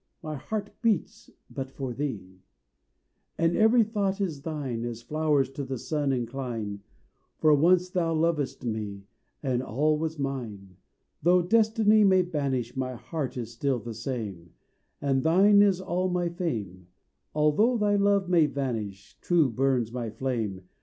My heart beats but for thee And every thought is thine, As flowers to the sun incline; For once thou lovedst me And all was mine. Though destiny may banish, My heart is still the same; And thine is all my fame; Although thy love may vanish, True burns my flame.